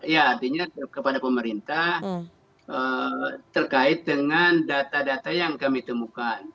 ya artinya kepada pemerintah terkait dengan data data yang kami temukan